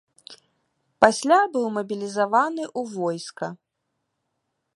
Пасля быў мабілізаваны ў войска.